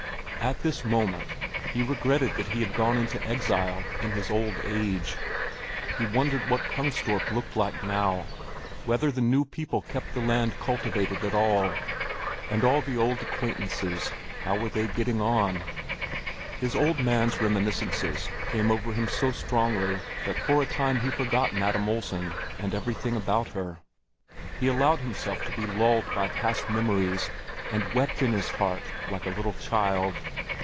At this moment he regretted that he had gone into exile in his old age. He wondered what Kungstorp looked like now, whether the new people kept the land cultivated at all. And all the old acquaintances—how were they getting on? His old man's reminiscences came over him so strongly that for a time he forgot Madam Olsen and everything about her. He allowed himself to be lulled by past memories, and wept in his heart like a little child.